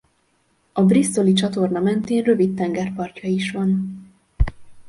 A Bristoli-csatorna mentén rövid tengerpartja is van.